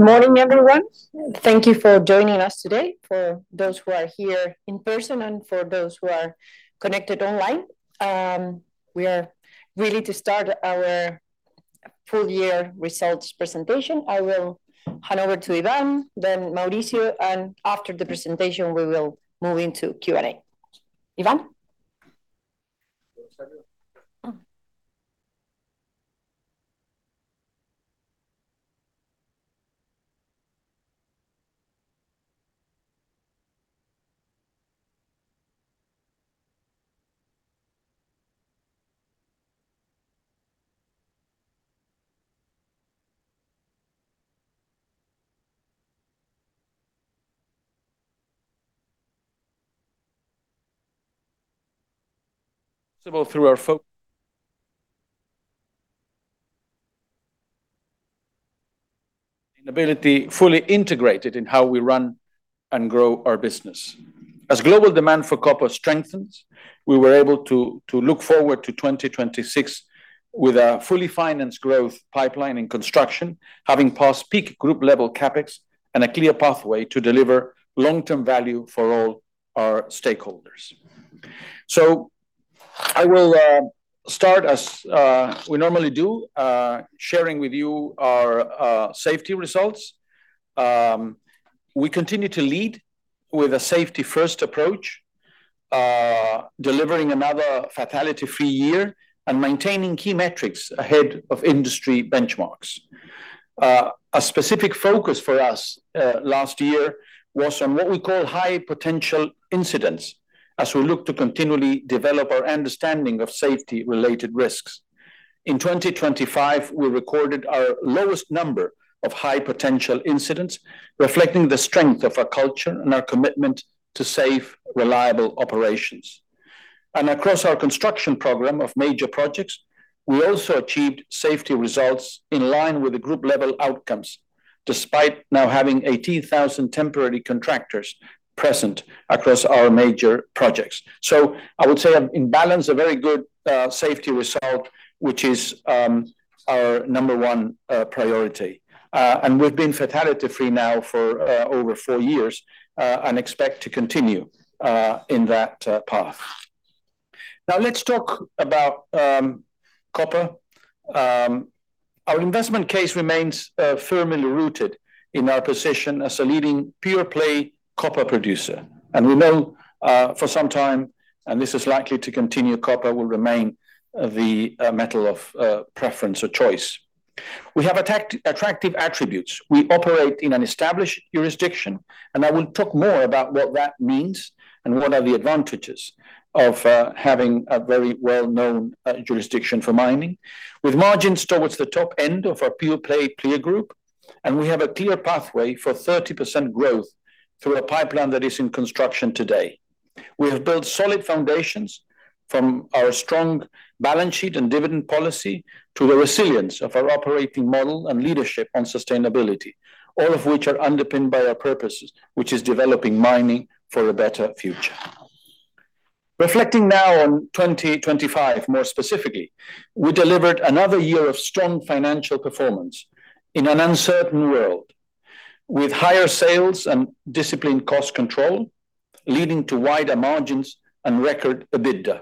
Morning, everyone. Thank you for joining us today. For those who are here in person and for those who are connected online, we are ready to start our full year results presentation. I will hand over to Iván, then Mauricio, and after the presentation, we will move into Q&A. Iván? Through our sustainability, fully integrated in how we run and grow our business. As global demand for copper strengthens, we were able to look forward to 2026 with a fully financed growth pipeline in construction, having passed peak group level CapEx and a clear pathway to deliver long-term value for all our stakeholders. I will start as we normally do, sharing with you our safety results. We continue to lead with a safety-first approach, delivering another fatality-free year and maintaining key metrics ahead of industry benchmarks. A specific focus for us last year was on what we call high potential incidents, as we look to continually develop our understanding of safety-related risks. In 2025, we recorded our lowest number of high potential incidents, reflecting the strength of our culture and our commitment to safe, reliable operations. Across our construction program of major projects, we also achieved safety results in line with the group-level outcomes, despite now having 18,000 temporary contractors present across our major projects. I would say in balance, a very good safety result, which is our number one priority. We've been fatality-free now for over four years and expect to continue in that path. Now, let's talk about copper. Our investment case remains firmly rooted in our position as a leading pure-play copper producer, and we know for some time, and this is likely to continue, copper will remain the metal of preference or choice. We have attractive attributes. We operate in an established jurisdiction, and I will talk more about what that means and what are the advantages of having a very well-known jurisdiction for mining. With margins towards the top end of our pure-play peer group, and we have a clear pathway for 30% growth through a pipeline that is in construction today. We have built solid foundations from our strong balance sheet and dividend policy to the resilience of our operating model and leadership on sustainability, all of which are underpinned by our purposes, which is developing mining for a better future. Reflecting now on 2025, more specifically, we delivered another year of strong financial performance in an uncertain world, with higher sales and disciplined cost control, leading to wider margins and record EBITDA.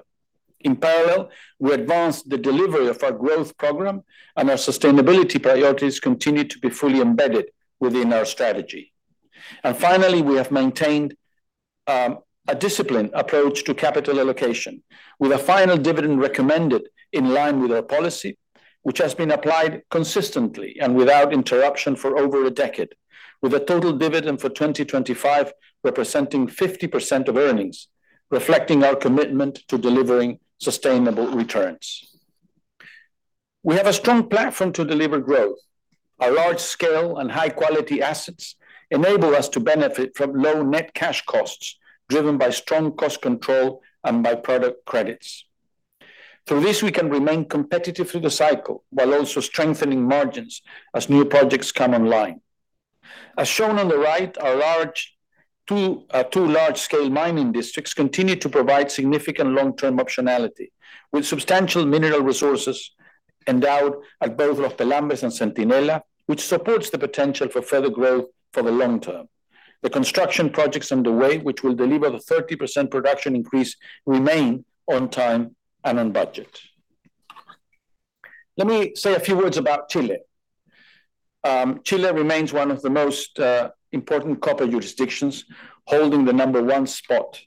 In parallel, we advanced the delivery of our growth program, and our sustainability priorities continued to be fully embedded within our strategy. And finally, we have maintained a disciplined approach to capital allocation, with a final dividend recommended in line with our policy, which has been applied consistently and without interruption for over a decade, with a total dividend for 2025 representing 50% of earnings, reflecting our commitment to delivering sustainable returns. We have a strong platform to deliver growth. Our large scale and high-quality assets enable us to benefit from low net cash costs, driven by strong cost control and by-product credits. Through this, we can remain competitive through the cycle, while also strengthening margins as new projects come online. As shown on the right, our large two, two large-scale mining districts continue to provide significant long-term optionality, with substantial mineral resources endowed at both Los Pelambres and Centinela, which supports the potential for further growth for the long term. The construction projects underway, which will deliver the 30% production increase, remain on time and on budget. Let me say a few words about Chile. Chile remains one of the most important copper jurisdictions, holding the number one spot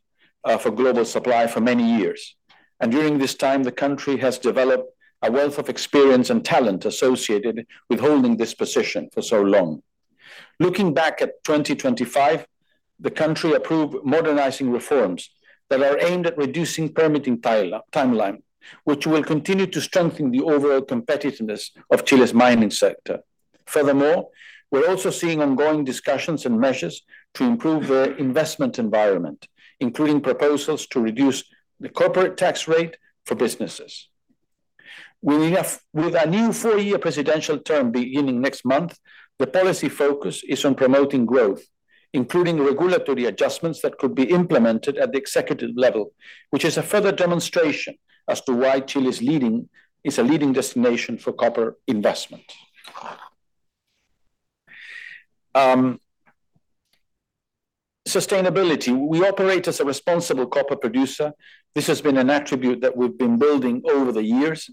for global supply for many years. And during this time, the country has developed a wealth of experience and talent associated with holding this position for so long. Looking back at 2025, the country approved modernizing reforms that are aimed at reducing permitting timeline, which will continue to strengthen the overall competitiveness of Chile's mining sector. Furthermore, we're also seeing ongoing discussions and measures to improve the investment environment, including proposals to reduce the corporate tax rate for businesses. With a new four-year presidential term beginning next month, the policy focus is on promoting growth, including regulatory adjustments that could be implemented at the executive level, which is a further demonstration as to why Chile is leading, is a leading destination for copper investment. Sustainability. We operate as a responsible copper producer. This has been an attribute that we've been building over the years,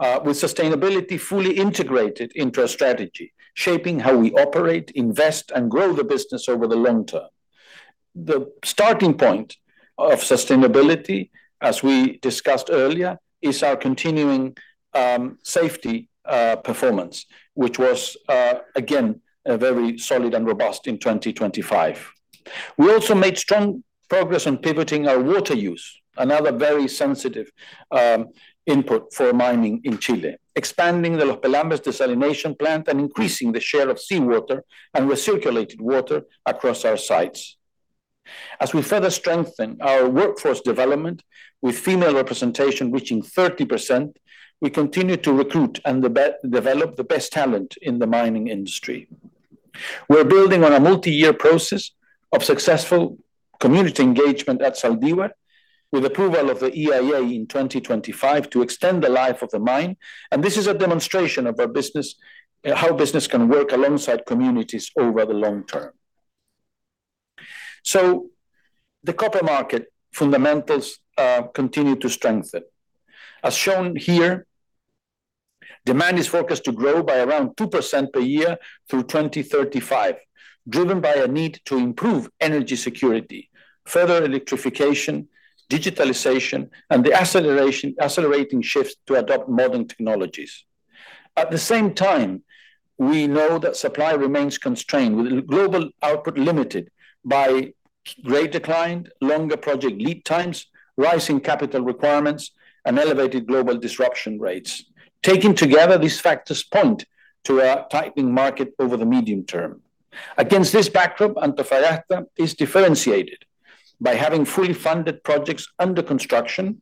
with sustainability fully integrated into our strategy, shaping how we operate, invest, and grow the business over the long term. The starting point of sustainability, as we discussed earlier, is our continuing safety performance, which was again a very solid and robust in 2025. We also made strong progress on pivoting our water use, another very sensitive input for mining in Chile, expanding the Los Pelambres desalination plant and increasing the share of seawater and recirculated water across our sites. As we further strengthen our workforce development with female representation reaching 30%, we continue to recruit and develop the best talent in the mining industry. We're building on a multi-year process of successful community engagement at Zaldívar, with approval of the EIA in 2025 to extend the life of the mine, and this is a demonstration of our business, how business can work alongside communities over the long term. The copper market fundamentals continue to strengthen. As shown here, demand is focused to grow by around 2% per year through 2035, driven by a need to improve energy security, further electrification, digitalization, and the accelerating shift to adopt modern technologies. At the same time, we know that supply remains constrained, with global output limited by grade decline, longer project lead times, rising capital requirements, and elevated global disruption rates. Taken together, these factors point to a tightening market over the medium term. Against this backdrop, Antofagasta is differentiated by having fully funded projects under construction,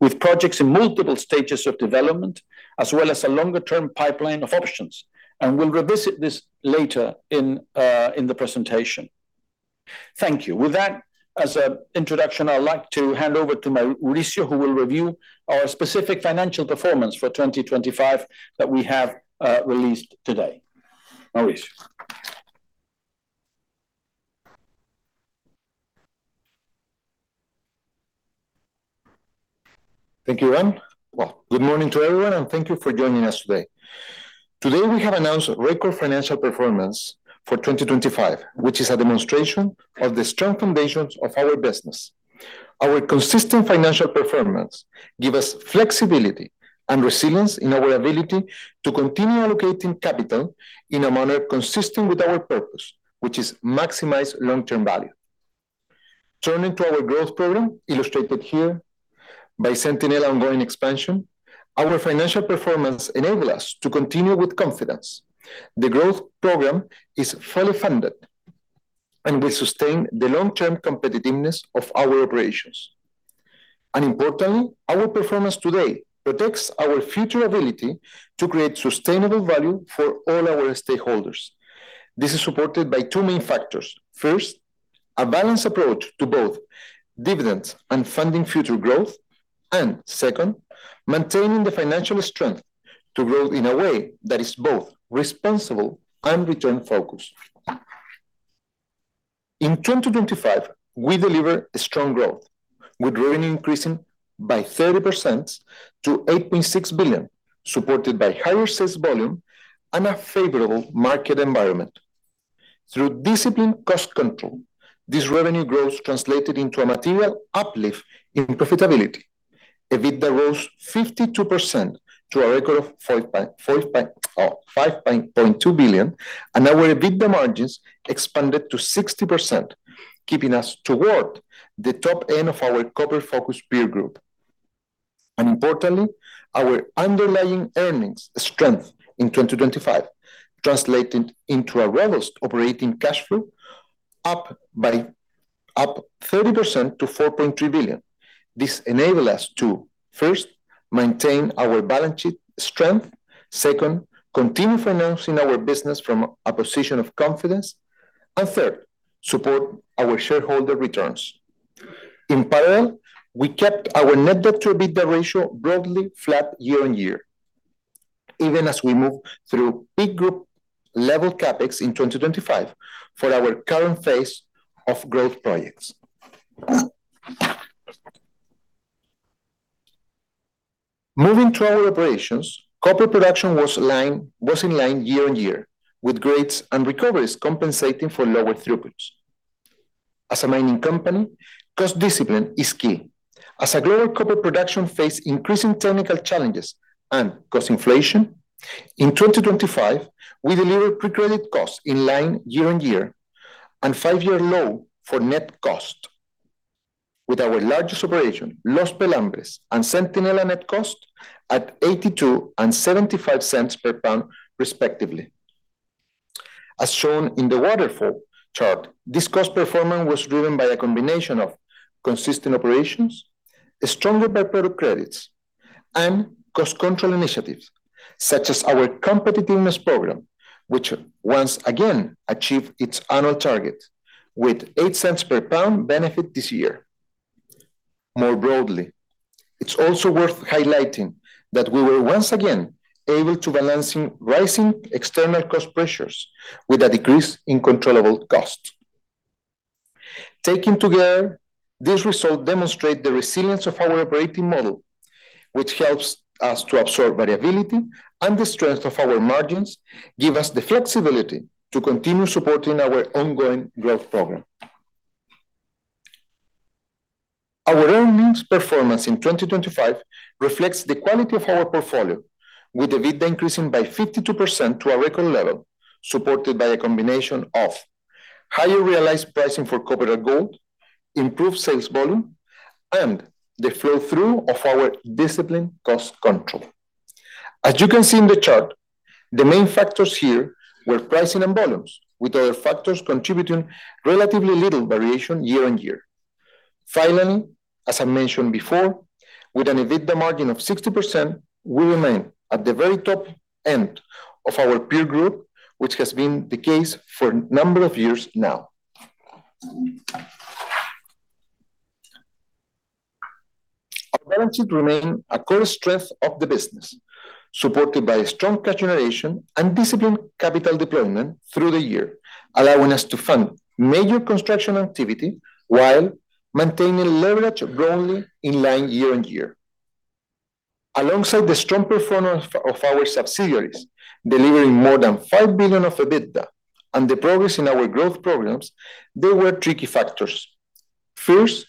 with projects in multiple stages of development, as well as a longer-term pipeline of options, and we'll revisit this later in in the presentation. Thank you. With that, as a introduction, I'd like to hand over to Mauricio, who will review our specific financial performance for 2025 that we have released today. Mauricio? Thank you, Iván. Well, good morning to everyone, and thank you for joining us today. Today, we have announced a record financial performance for 2025, which is a demonstration of the strong foundations of our business. Our consistent financial performance give us flexibility and resilience in our ability to continue allocating capital in a manner consistent with our purpose, which is maximize long-term value. Turning to our growth program, illustrated here by Centinela ongoing expansion, our financial performance enable us to continue with confidence. The growth program is fully funded and will sustain the long-term competitiveness of our operations. Importantly, our performance today protects our future ability to create sustainable value for all our stakeholders. This is supported by two main factors: First, a balanced approach to both dividends and funding future growth, and second, maintaining the financial strength to grow in a way that is both responsible and return-focused. In 2025, we delivered a strong growth, with revenue increasing by 30% to $8.6 billion, supported by higher sales volume and a favorable market environment. Through disciplined cost control, this revenue growth translated into a material uplift in profitability. EBITDA rose 52% to a record of $5.2 billion, and our EBITDA margins expanded to 60%, keeping us toward the top end of our copper-focused peer group. And importantly, our underlying earnings strength in 2025 translated into a robust operating cash flow, up 30% to $4.3 billion. This enables us to, first, maintain our balance sheet strength, second, continue financing our business from a position of confidence, and third, support our shareholder returns. In parallel, we kept our net debt to EBITDA ratio broadly flat year-on-year, even as we moved through peak group-level CapEx in 2025 for our current phase of growth projects. Moving to our operations, copper production was in line year-on-year, with grades and recoveries compensating for lower throughputs. As a mining company, cost discipline is key. As global copper production faces increasing technical challenges and cost inflation, in 2025, we delivered pre-credit costs in line year-on-year and a five-year low for net cost, with our largest operation, Los Pelambres and Centinela, at net cost of $0.82 and $0.75 per pound, respectively. As shown in the waterfall chart, this cost performance was driven by a combination of consistent operations, stronger by-product credits, and cost control initiatives, such as our competitiveness program, which once again achieved its annual target with $0.08 per pound benefit this year. More broadly, it's also worth highlighting that we were once again able to balance rising external cost pressures with a decrease in controllable costs. Taken together, these results demonstrate the resilience of our operating model, which helps us to absorb variability, and the strength of our margins gives us the flexibility to continue supporting our ongoing growth program. Our earnings performance in 2025 reflects the quality of our portfolio, with EBITDA increasing by 52% to a record level, supported by a combination of higher realized pricing for copper and gold, improved sales volume, and the flow-through of our disciplined cost control. As you can see in the chart, the main factors here were pricing and volumes, with other factors contributing relatively little variation year-on-year. Finally, as I mentioned before, with an EBITDA margin of 60%, we remain at the very top end of our peer group, which has been the case for a number of years now. Our balance sheet remain a core strength of the business, supported by strong cash generation and disciplined capital deployment through the year, allowing us to fund major construction activity while maintaining leverage broadly in line year-on-year. Alongside the strong performance of our subsidiaries, delivering more than $5 billion of EBITDA and the progress in our growth programs, there were tricky factors. First,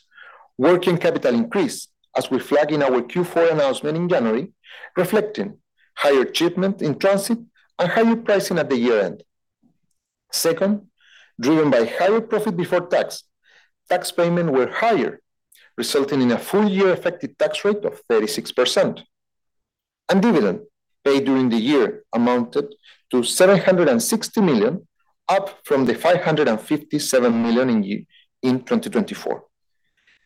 working capital increase, as we flagged in our Q4 announcement in January, reflecting higher shipment in transit and higher pricing at the year-end. Second, driven by higher profit before tax, tax payments were higher, resulting in a full year effective tax rate of 36%, and dividends paid during the year amounted to $760 million, up from the $557 million in 2024.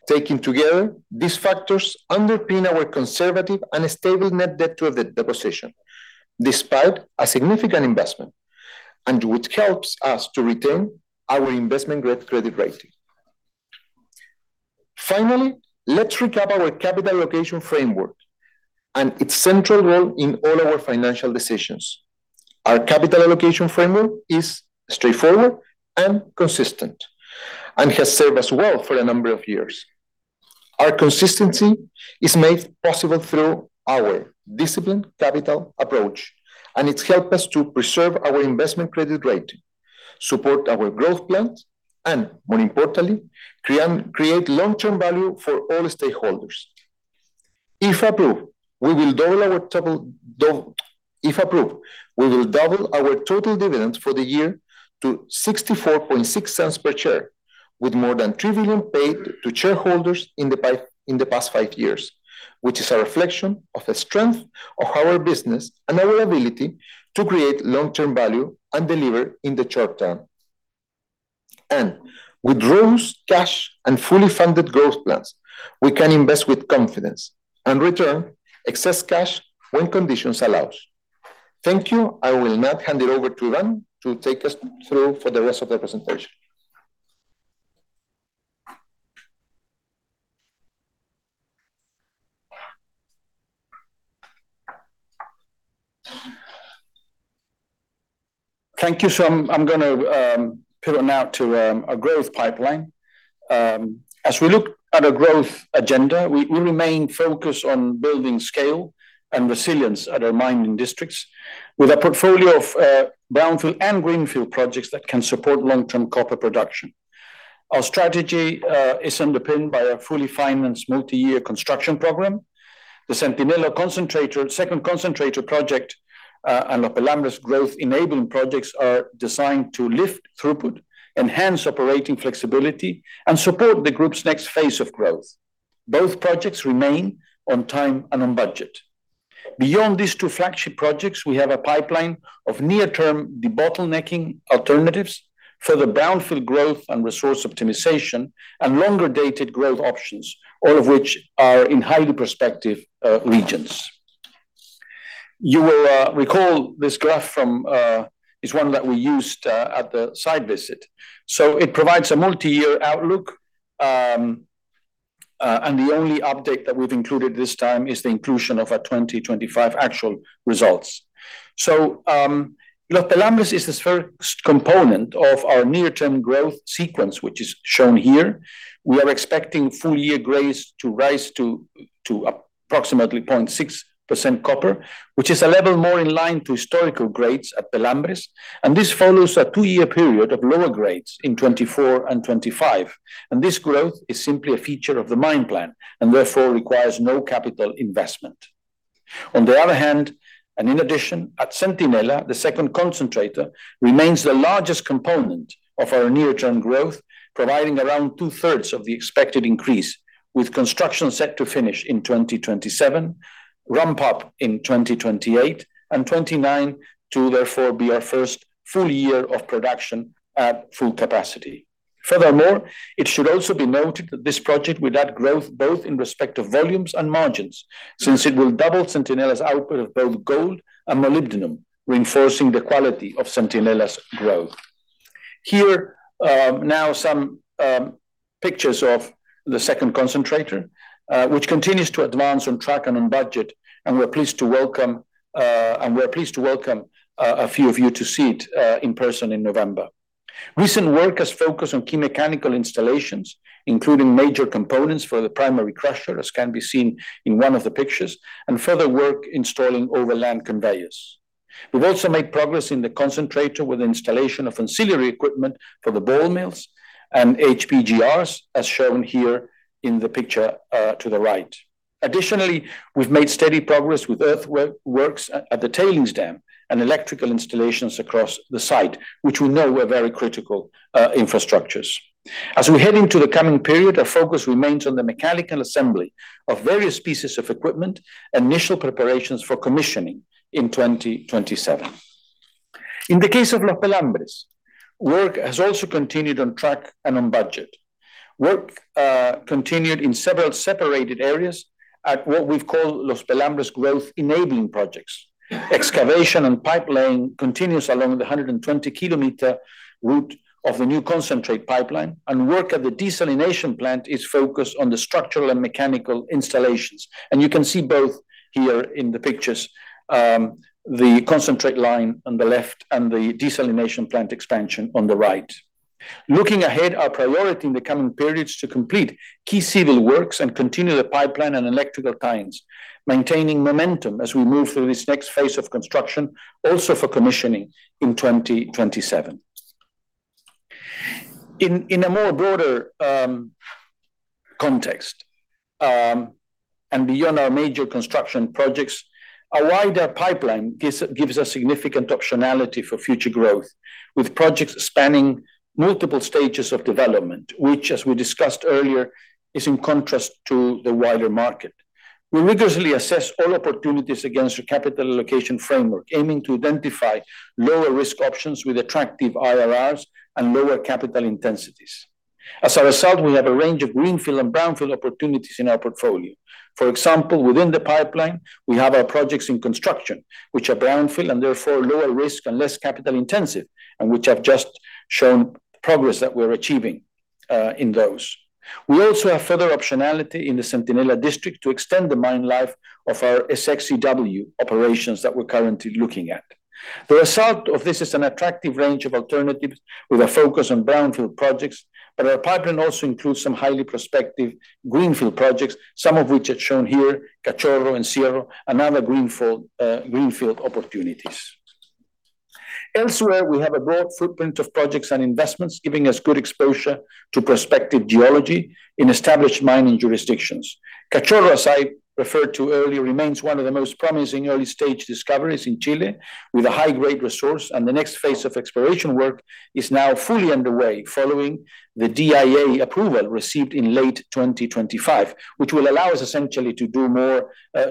Taken together, these factors underpin our conservative and stable net debt to EBITDA position, despite a significant investment, and which helps us to retain our investment-grade credit rating. Finally, let's recap our capital allocation framework and its central role in all our financial decisions. Our capital allocation framework is straightforward and consistent, and has served us well for a number of years. Our consistency is made possible through our disciplined capital approach, and it's helped us to preserve our investment-grade credit rating, support our growth plans, and more importantly, create long-term value for all stakeholders. If approved, we will double our total—if approved, we will double our total dividend for the year to $0.646 per share, with more than $3 billion paid to shareholders in the past, in the past five years, which is a reflection of the strength of our business and our ability to create long-term value and deliver in the short term. And with robust cash and fully funded growth plans, we can invest with confidence and return excess cash when conditions allow. Thank you. I will now hand it over to Iván to take us through for the rest of the presentation. Thank you. So I'm gonna pivot now to our growth pipeline. As we look at our growth agenda, we remain focused on building scale and resilience at our mining districts, with a portfolio of brownfield and greenfield projects that can support long-term copper production. Our strategy is underpinned by a fully financed multi-year construction program. The Centinela Second Concentrator Project, and the Pelambres Growth Enabling Projects are designed to lift throughput, enhance operating flexibility, and support the group's next phase of growth. Both projects remain on time and on budget. Beyond these two flagship projects, we have a pipeline of near-term debottlenecking alternatives, further brownfield growth and resource optimization, and longer-dated growth options, all of which are in highly prospective regions. You will recall this graph from, it's one that we used at the site visit. So it provides a multi-year outlook, and the only update that we've included this time is the inclusion of our 2025 actual results. So, look, Pelambres is the first component of our near-term growth sequence, which is shown here. We are expecting full-year grades to rise to approximately 0.6% copper, which is a level more in line to historical grades at Pelambres, and this follows a two-year period of lower grades in 2024 and 2025, and this growth is simply a feature of the mine plan, and therefore requires no capital investment. On the other hand, and in addition, at Centinela, the Second Concentrator remains the largest component of our near-term growth, providing around two-thirds of the expected increase, with construction set to finish in 2027, ramp up in 2028, and 2029 to therefore be our first full year of production at full capacity. Furthermore, it should also be noted that this project will add growth both in respect of volumes and margins, since it will double Centinela's output of both gold and molybdenum, reinforcing the quality of Centinela's growth. Here, now some pictures of the Second Concentrator, which continues to advance on track and on budget, and we're pleased to welcome a few of you to see it in person in November. Recent work has focused on key mechanical installations, including major components for the primary crusher, as can be seen in one of the pictures, and further work installing overland conveyors. We've also made progress in the concentrator with the installation of ancillary equipment for the ball mills and HPGRs, as shown here in the picture to the right. Additionally, we've made steady progress with earthworks at the tailings dam and electrical installations across the site, which we know were very critical infrastructures. As we head into the coming period, our focus remains on the mechanical assembly of various pieces of equipment and initial preparations for commissioning in 2027. In the case of Los Pelambres, work has also continued on track and on budget. Work continued in several separate areas at what we've called Los Pelambres Growth Enabling Projects. Excavation and pipelaying continues along the 120 km route of the new concentrate pipeline, and work at the desalination plant is focused on the structural and mechanical installations. You can see both here in the pictures, the concentrate line on the left and the desalination plant expansion on the right. Looking ahead, our priority in the coming period is to complete key civil works and continue the pipeline and electrical ties, maintaining momentum as we move through this next phase of construction, also for commissioning in 2027. In a more broader context, and beyond our major construction projects, our wider pipeline gives us significant optionality for future growth, with projects spanning multiple stages of development, which, as we discussed earlier, is in contrast to the wider market. We rigorously assess all opportunities against a capital allocation framework, aiming to identify lower-risk options with attractive IRRs and lower capital intensities. As a result, we have a range of greenfield and brownfield opportunities in our portfolio. For example, within the pipeline, we have our projects in construction, which are brownfield and therefore lower risk and less capital intensive, and which I've just shown progress that we're achieving in those. We also have further optionality in the Centinela District to extend the mine life of our SX-EW operations that we're currently looking at. The result of this is an attractive range of alternatives with a focus on brownfield projects, but our pipeline also includes some highly prospective greenfield projects, some of which are shown here, Cachorro and Encierro, and other greenfield opportunities. Elsewhere, we have a broad footprint of projects and investments, giving us good exposure to prospective geology in established mining jurisdictions. Cachorro, as I referred to earlier, remains one of the most promising early-stage discoveries in Chile, with a high-grade resource, and the next phase of exploration work is now fully underway, following the DIA approval received in late 2025, which will allow us essentially to do more,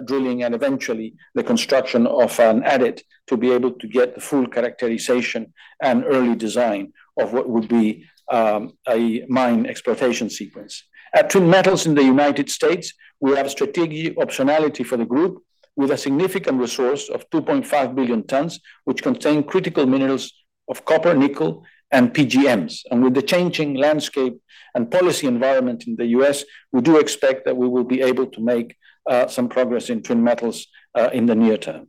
drilling and eventually the construction of an adit to be able to get the full characterization and early design of what would be, a mine exploitation sequence. At Twin Metals in the United States, we have strategic optionality for the group with a significant resource of 2.5 billion tonnes, which contain critical minerals of copper, nickel, and PGMs. With the changing landscape and policy environment in the U.S., we do expect that we will be able to make some progress in Twin Metals in the near term.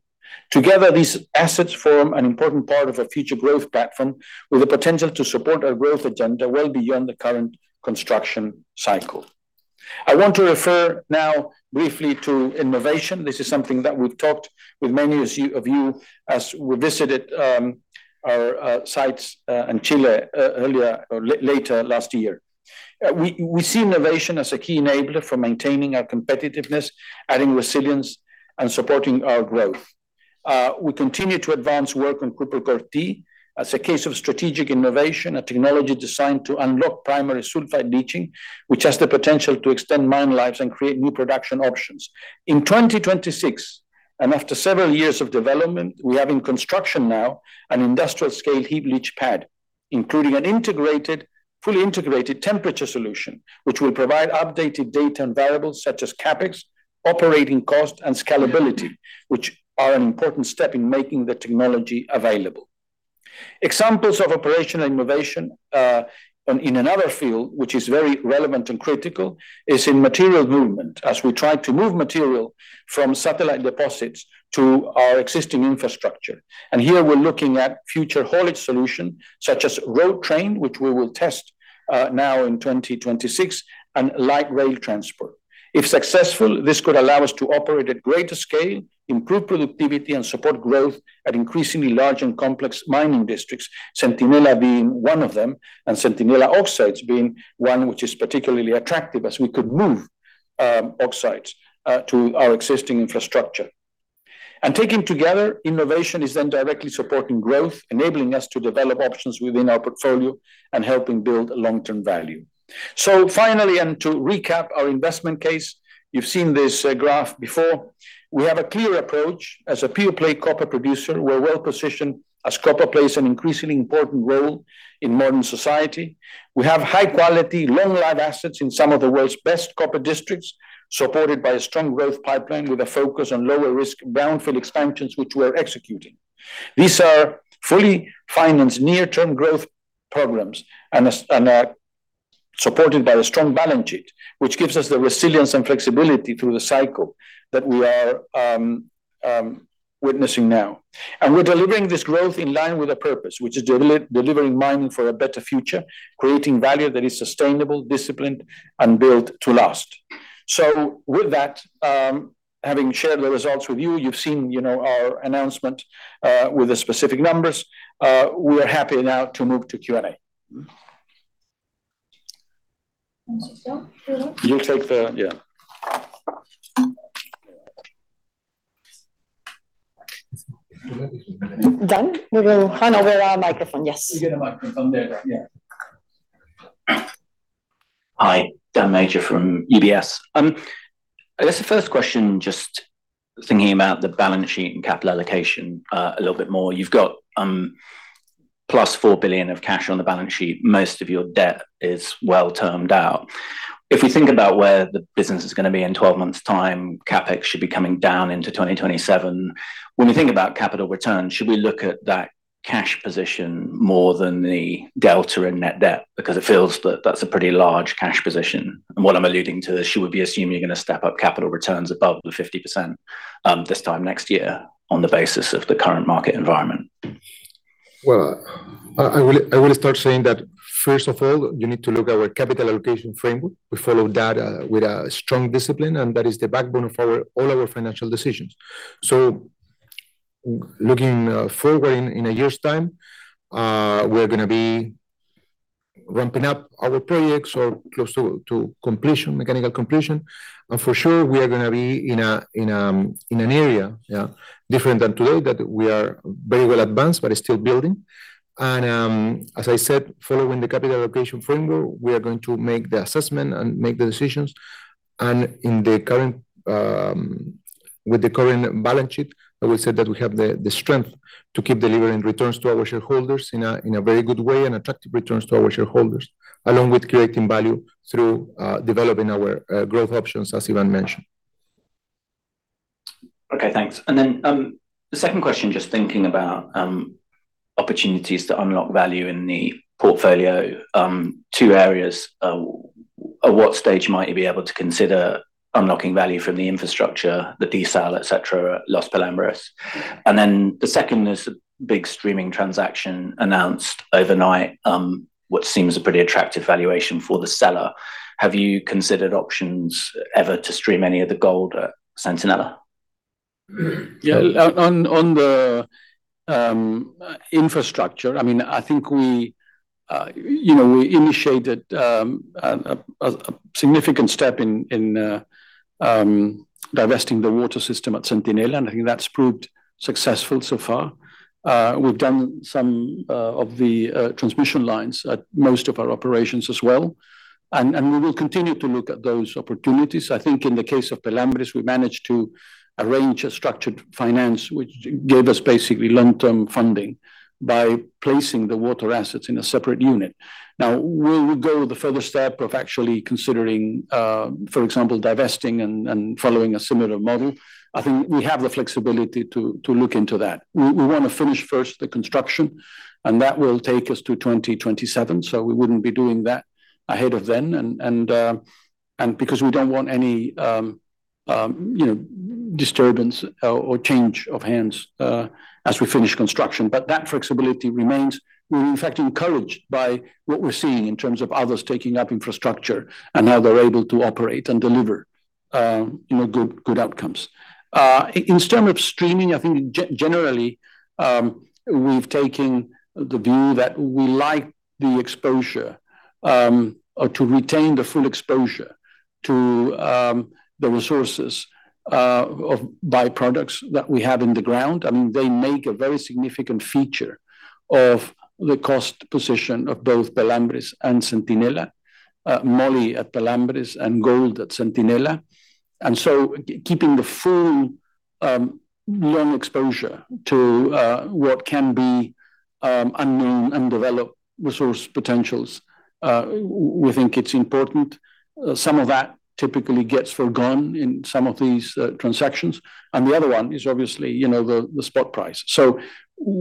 Together, these assets form an important part of a future growth platform with the potential to support our growth agenda well beyond the current construction cycle. I want to refer now briefly to innovation. This is something that we've talked with many of you, as we visited our sites in Chile earlier or later last year. We see innovation as a key enabler for maintaining our competitiveness, adding resilience, and supporting our growth. We continue to advance work on Cuprochlor-T as a case of strategic innovation, a technology designed to unlock primary sulfide leaching, which has the potential to extend mine lives and create new production options. In 2026, and after several years of development, we have in construction now an industrial-scale heap leach pad, including an integrated—fully integrated temperature solution, which will provide updated data and variables such as CapEx, operating cost, and scalability, which are an important step in making the technology available. Examples of operational innovation, in another field, which is very relevant and critical, is in material movement, as we try to move material from satellite deposits to our existing infrastructure. And here we're looking at future haulage solution, such as road train, which we will test, now in 2026, and light rail transport. If successful, this could allow us to operate at greater scale, improve productivity, and support growth at increasingly large and complex mining districts, Centinela being one of them, and Centinela Oxides being one which is particularly attractive as we could move oxides to our existing infrastructure. And taken together, innovation is then directly supporting growth, enabling us to develop options within our portfolio and helping build long-term value. So finally, and to recap our investment case, you've seen this graph before. We have a clear approach. As a pure-play copper producer, we're well positioned as copper plays an increasingly important role in modern society. We have high-quality, long-lived assets in some of the world's best copper districts, supported by a strong growth pipeline with a focus on lower-risk brownfield expansions, which we are executing. These are fully financed near-term growth programs and a supported by a strong balance sheet, which gives us the resilience and flexibility through the cycle that we are witnessing now. And we're delivering this growth in line with a purpose, which is delivering mining for a better future, creating value that is sustainable, disciplined, and built to last. So with that, having shared the results with you, you've seen, you know, our announcement with the specific numbers. We are happy now to move to Q&A. Mm-hmm. You'll take the-- Yeah. Dan, we will hand over our microphone. Yes. We get a microphone from there. Yeah. Hi, Dan Major from UBS. I guess the first question, just thinking about the balance sheet and capital allocation, a little bit more. You've got, +$4 billion of cash on the balance sheet. Most of your debt is well termed out. If you think about where the business is gonna be in 12 months' time, CapEx should be coming down into 2027. When we think about capital return, should we look at that cash position more than the delta in net debt? Because it feels that that's a pretty large cash position. And what I'm alluding to is, should we be assuming you're gonna step up capital returns above the 50%, this time next year on the basis of the current market environment? Well, I, I will, I will start saying that first of all, you need to look at our capital allocation framework. We follow that with a strong discipline, and that is the backbone of our all our financial decisions. So looking forward in a year's time, we're gonna be ramping up our projects or close to completion, mechanical completion. And for sure, we are gonna be in an area, yeah, different than today, that we are very well advanced, but is still building. And as I said, following the capital allocation framework, we are going to make the assessment and make the decisions. With the current balance sheet, I will say that we have the strength to keep delivering returns to our shareholders in a very good way, and attractive returns to our shareholders, along with creating value through developing our growth options, as Iván mentioned. Okay, thanks. And then, the second question, just thinking about, opportunities to unlock value in the portfolio. Two areas. At what stage might you be able to consider unlocking value from the infrastructure, the desal, et cetera, at Los Pelambres? And then the second is a big streaming transaction announced overnight, what seems a pretty attractive valuation for the seller. Have you considered options ever to stream any of the gold at Centinela? Yeah, on the infrastructure, I mean, I think we, you know, we initiated a significant step in divesting the water system at Centinela, and I think that's proved successful so far. We've done some of the transmission lines at most of our operations as well, and we will continue to look at those opportunities. I think in the case of Pelambres, we managed to arrange a structured finance, which gave us basically long-term funding by placing the water assets in a separate unit. Now, will we go the further step of actually considering, for example, divesting and following a similar model? I think we have the flexibility to look into that. We want to finish first the construction, and that will take us to 2027, so we wouldn't be doing that ahead of then. Because we don't want any, you know, disturbance or change of hands as we finish construction, but that flexibility remains. We're in fact encouraged by what we're seeing in terms of others taking up infrastructure and how they're able to operate and deliver, you know, good outcomes. In terms of streaming, I think generally, we've taken the view that we like the exposure or to retain the full exposure to the resources of byproducts that we have in the ground. I mean, they make a very significant feature of the cost position of both Pelambres and Centinela, moly at Pelambres and gold at Centinela. And so keeping the full, long exposure to, what can be, unknown, undeveloped resource potentials, we think it's important. Some of that typically gets forgone in some of these, transactions. And the other one is obviously, you know, the, the spot price. So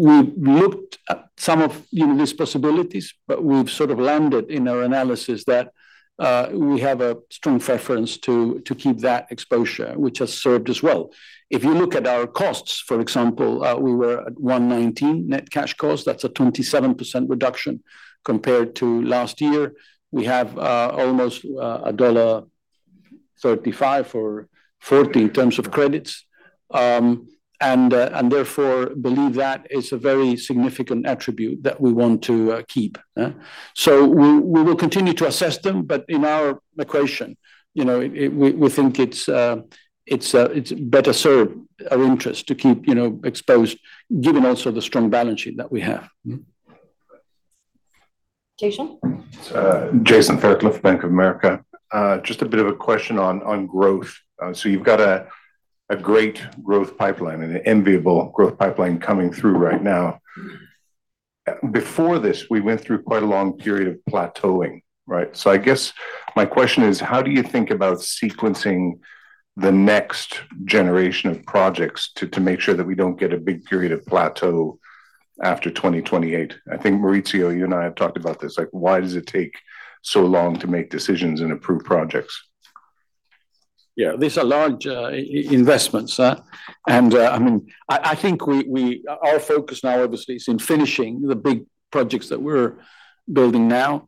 we've looked at some of, you know, these possibilities, but we've sort of landed in our analysis that, we have a strong preference to, to keep that exposure, which has served us well. If you look at our costs, for example, we were at 119 net cash cost. That's a 27% reduction compared to last year. We have, almost, a dollar $1.35 or $1.40 in terms of credits. And, and therefore, believe that is a very significant attribute that we want to, keep. So we will continue to assess them, but in our equation, you know, we think it's better serve our interest to keep, you know, exposed, given also the strong balance sheet that we have. Jason? Jason Fairclough, Bank of America. Just a bit of a question on growth. So you've got a great growth pipeline and an enviable growth pipeline coming through right now. Before this, we went through quite a long period of plateauing, right? So I guess my question is, how do you think about sequencing the next generation of projects to make sure that we don't get a big period of plateau after 2028. I think, Mauricio, you and I have talked about this, like, why does it take so long to make decisions and approve projects? Yeah, these are large investments, and I mean, I think we our focus now, obviously, is in finishing the big projects that we're building now.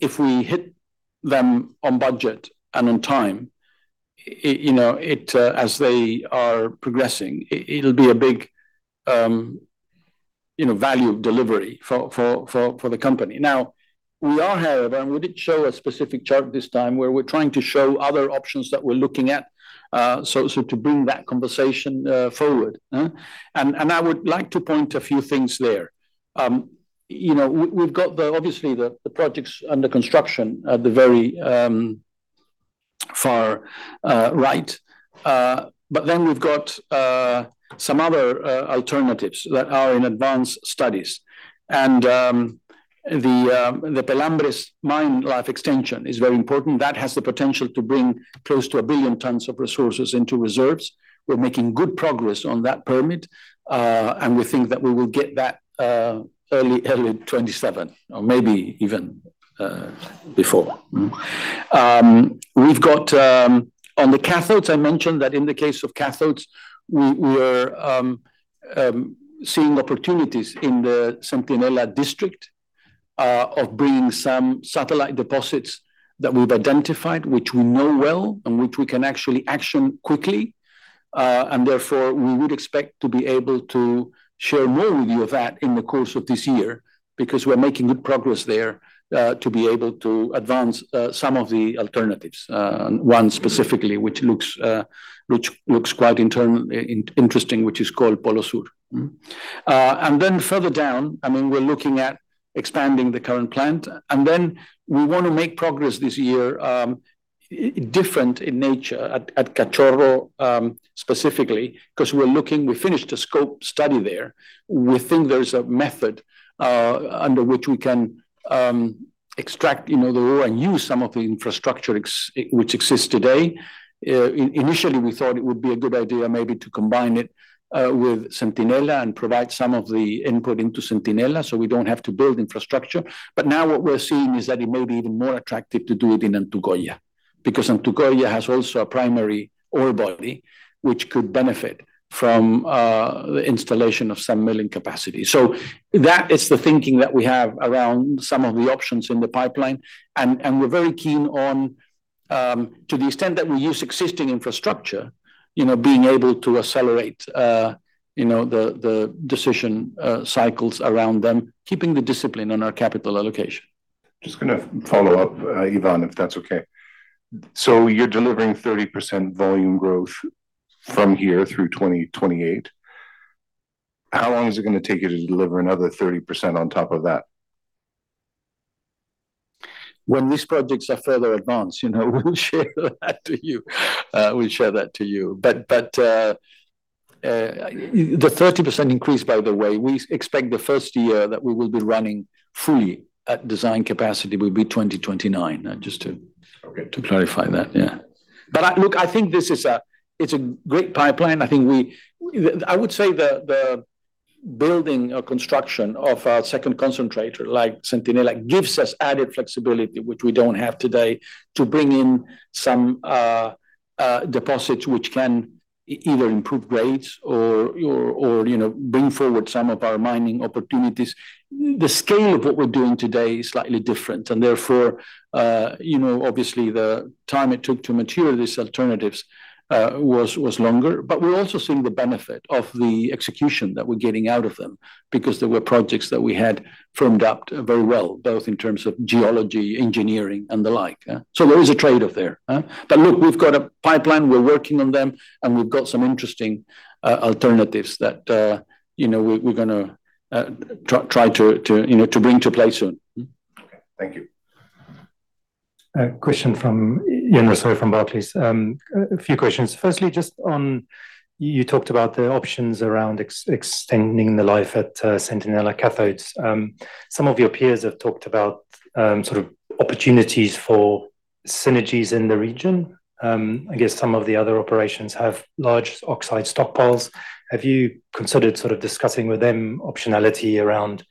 If we hit them on budget and on time, you know, as they are progressing, it'll be a big, you know, value of delivery for the company. Now, we are here, and we did show a specific chart this time where we're trying to show other options that we're looking at, so to bring that conversation forward, eh? And I would like to point a few things there. You know, we've got obviously the projects under construction at the very far right. But then we've got some other alternatives that are in advanced studies. The Pelambres mine life extension is very important. That has the potential to bring close to 1 billion tonnes of resources into reserves. We're making good progress on that permit, and we think that we will get that early 2027, or maybe even before. We've got on the Cathodes, I mentioned that in the case of Cathodes, we were seeing opportunities in the Centinela district of bringing some satellite deposits that we've identified, which we know well, and which we can actually action quickly. And therefore, we would expect to be able to share more with you of that in the course of this year, because we're making good progress there to be able to advance some of the alternatives. One specifically, which looks quite interesting, which is called Polo Sur. And then further down, I mean, we're looking at expanding the current plant, and then we want to make progress this year, different in nature at Cachorro, specifically, 'cause we finished a scope study there. We think there is a method under which we can extract, you know, the ore and use some of the infrastructure which exists today. Initially, we thought it would be a good idea maybe to combine it with Centinela and provide some of the input into Centinela, so we don't have to build infrastructure. But now what we're seeing is that it may be even more attractive to do it in Antucoya, because Antucoya has also a primary ore body, which could benefit from the installation of some milling capacity. So that is the thinking that we have around some of the options in the pipeline, and we're very keen on, to the extent that we use existing infrastructure, you know, being able to accelerate, you know, the decision cycles around them, keeping the discipline on our capital allocation. Just gonna follow up, Iván, if that's okay. So you're delivering 30% volume growth from here through 2028. How long is it gonna take you to deliver another 30% on top of that? When these projects are further advanced, you know, we'll share that to you. But, the 30% increase, by the way, we expect the first year that we will be running fully at design capacity will be 2029. Just to— Okay. To clarify that, yeah. But, look, I think this is a—it's a great pipeline. I think we—I would say the building or construction of our Second Concentrator, like Centinela, gives us added flexibility, which we don't have today, to bring in some deposits, which can either improve rates or, you know, bring forward some of our mining opportunities. The scale of what we're doing today is slightly different, and therefore, you know, obviously, the time it took to mature these alternatives was longer. But we're also seeing the benefit of the execution that we're getting out of them, because there were projects that we had firmed up very well, both in terms of geology, engineering, and the like. So there is a trade-off there. But look, we've got a pipeline, we're working on them, and we've got some interesting alternatives that, you know, we're gonna try to bring to play soon. Mm-hmm. Okay. Thank you. A question from Ian Rossouw from Barclays. A few questions. Firstly, just on—you talked about the options around extending the life at Centinela Cathodes. Some of your peers have talked about sort of opportunities for synergies in the region. I guess some of the other operations have large oxide stockpiles. Have you considered sort of discussing with them optionality around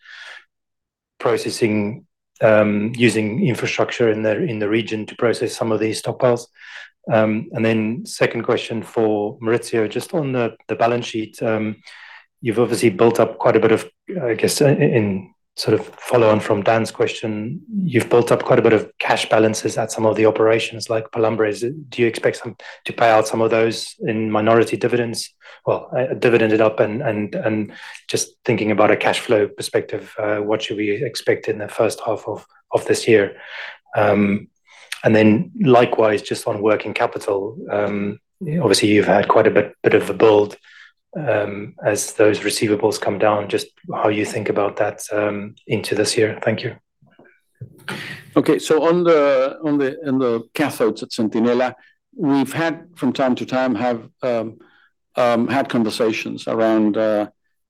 processing using infrastructure in the region to process some of these stockpiles? And then second question for Mauricio, just on the balance sheet, you've obviously built up quite a bit of, I guess, in sort of follow on from Dan's question, you've built up quite a bit of cash balances at some of the operations like Pelambres. Do you expect some to pay out some of those in minority dividends? Well, dividend it up and, and, and just thinking about a cash flow perspective, what should we expect in the first half of this year? And then likewise, just on working capital, obviously, you've had quite a bit of a build, as those receivables come down, just how you think about that into this year. Thank you. Okay, so on the Cathodes at Centinela, we've had from time to time conversations around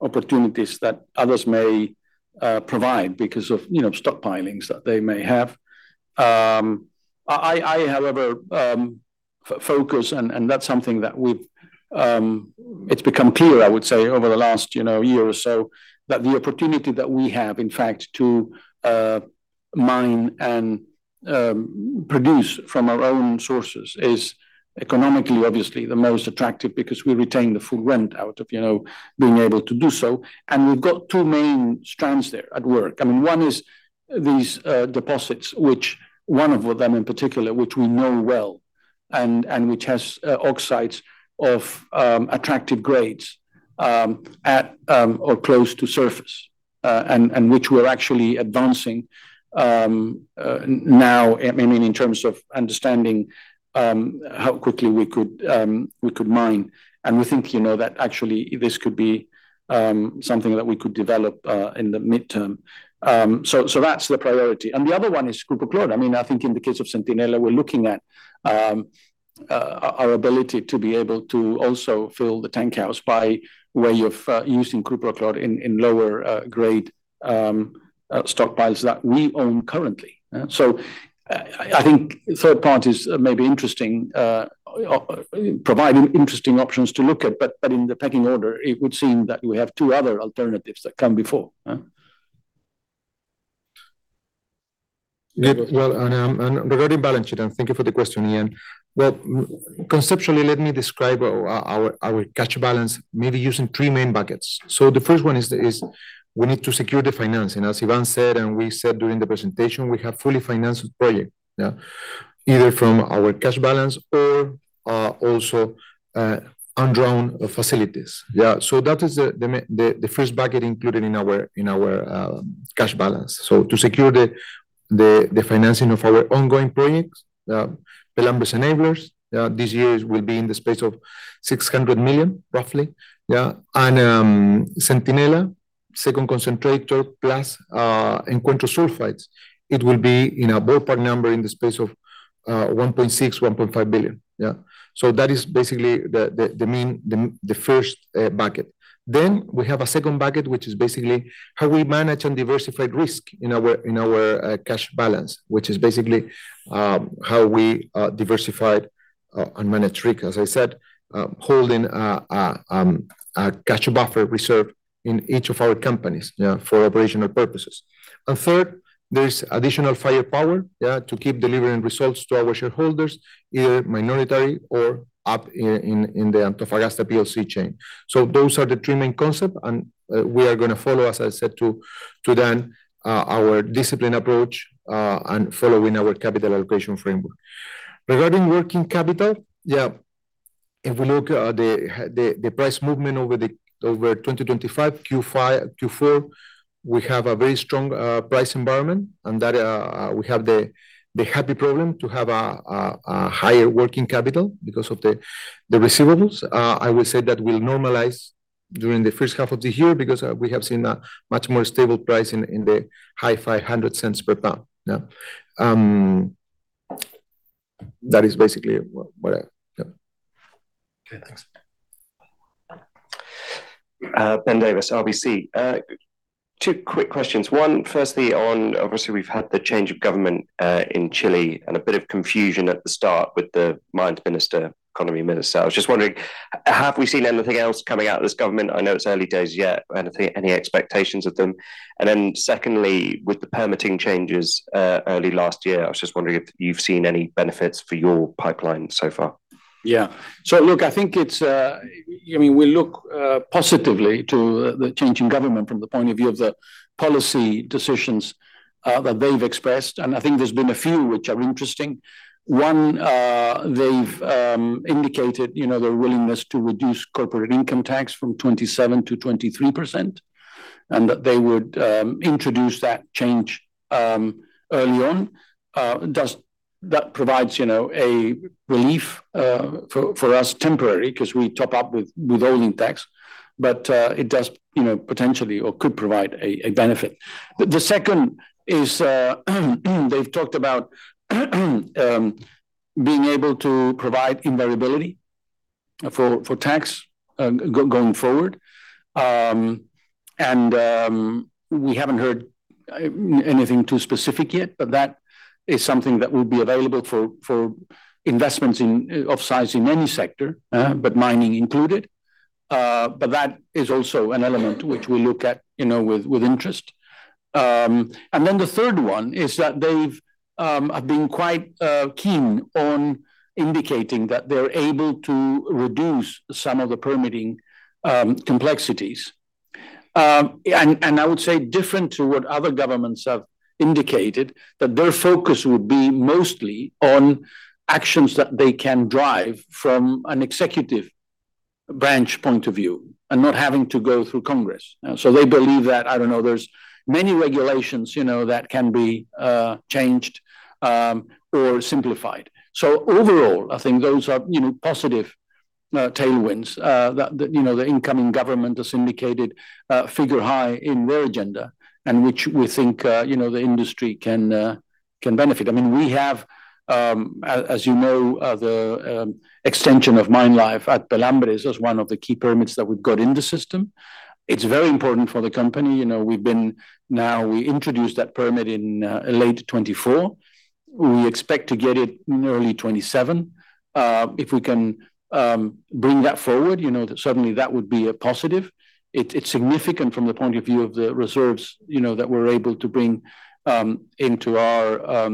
opportunities that others may provide because of, you know, stockpilings that they may have. However, focus, and that's something that we've, it's become clear, I would say, over the last, you know, year or so, that the opportunity that we have, in fact, to mine and produce from our own sources is economically, obviously, the most attractive because we retain the full rent out of, you know, being able to do so. And we've got two main strands there at work. I mean, one is these deposits, which one of them in particular, which we know well, and which has oxides of attractive grades at or close to surface, and which we're actually advancing now. I mean, in terms of understanding how quickly we could mine. And we think, you know, that actually this could be something that we could develop in the midterm. That's the priority. The other one is Cuprochlor-T. I mean, I think in the case of Centinela, we're looking at our ability to be able to also fill the tank house by way of using Cuprochlor-T in lower grade stockpiles that we own currently, eh? So, I think third parties may be interesting, providing interesting options to look at, but in the pecking order, it would seem that we have two other alternatives that come before, huh? Well, and regarding balance sheet, and thank you for the question, Ian. Well, conceptually, let me describe our cash balance, maybe using three main buckets. So the first one is we need to secure the financing. As Iván said, and we said during the presentation, we have fully financed the project, yeah, either from our cash balance or also undrawn facilities. Yeah, so that is the first bucket included in our cash balance. So to secure the financing of our ongoing projects, the numbers enablers these years will be in the space of $600 million, roughly. Yeah, and Centinela Second Concentrator, plus Encuentro Sulphides, it will be in a ballpark number in the space of $1.5 billion-$1.6 billion. Yeah. So that is basically the main, the first bucket. Then we have a second bucket, which is basically how we manage and diversified risk in our cash balance, which is basically how we diversified and manage risk. As I said, holding a cash buffer reserve in each of our companies, yeah, for operational purposes. And third, there is additional firepower, yeah, to keep delivering results to our shareholders, either minority or up in the Antofagasta plc chain. So those are the three main concepts, and we are gonna follow, as I said, to then our discipline approach, and following our capital allocation framework. Regarding working capital, yeah, if we look at the price movement over 2025, Q4, we have a very strong price environment, and that we have the happy problem to have a higher working capital because of the receivables. I will say that will normalize during the first half of the year because we have seen a much more stable price in the high $5.00 per pound. Yeah. That is basically what I, yeah. Okay, thanks. Ben Davis, RBC. Two quick questions. One, firstly, on obviously, we've had the change of government in Chile, and a bit of confusion at the start with the mine minister, economy minister. I was just wondering, have we seen anything else coming out of this government? I know it's early days yet. Anything, any expectations of them? And then secondly, with the permitting changes early last year, I was just wondering if you've seen any benefits for your pipeline so far. Yeah. So look, I think it's—I mean, we look positively to the change in government from the point of view of the policy decisions that they've expressed, and I think there's been a few which are interesting. One, they've indicated, you know, their willingness to reduce corporate income tax from 27%-23%, and that they would introduce that change early on. That provides, you know, a relief for us, temporary, 'cause we top up with holding tax, but it does, you know, potentially or could provide a benefit. The second is, they've talked about being able to provide invariability for tax going forward. And we haven't heard anything too specific yet, but that is something that will be available for investments of size in any sector, but mining included. But that is also an element which we look at, you know, with interest. And then the third one is that they've have been quite keen on indicating that they're able to reduce some of the permitting complexities. And I would say different to what other governments have indicated, that their focus would be mostly on actions that they can drive from an executive branch point of view and not having to go through Congress. So they believe that, I don't know, there's many regulations, you know, that can be changed or simplified. So overall, I think those are, you know, positive tailwinds that you know the incoming government has indicated figure high in their agenda, and which we think you know the industry can benefit. I mean, we have, as you know, the extension of mine life at Pelambres as one of the key permits that we've got in the system. It's very important for the company. You know, we introduced that permit in late 2024. We expect to get it in early 2027. If we can bring that forward, you know, that certainly would be a positive. It's significant from the point of view of the reserves, you know, that we're able to bring into our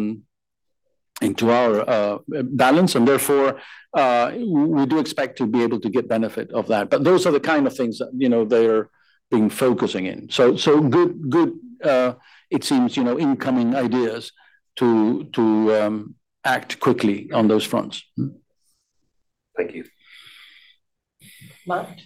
balance, and therefore we do expect to be able to get benefit of that. But those are the kind of things that, you know, they are being focusing in. So good, good, it seems, you know, incoming ideas to act quickly on those fronts. Hmm. Thank you. Matt?